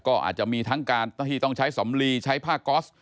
ก็อาจจะมีทั้งการที่ต้องใช้สำลีใช้ผ้าก๊อส